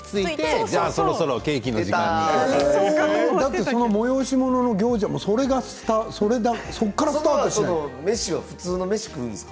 だって、その催し物の行事はそこからスタートでしょう？